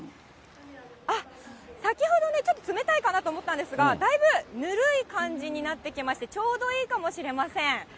あっ、先ほどね、ちょっと冷たいかなと思ったんですが、だいぶぬるい感じになってきまして、ちょうどいいかもしれません。